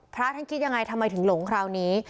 พระท่านคิดยังไงทำไมถึงหลงคราวนี้